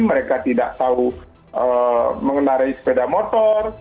mereka tidak tahu mengendarai sepeda motor